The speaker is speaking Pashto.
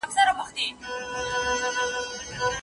بریالیو کسانو تل خطرونه منلي دي.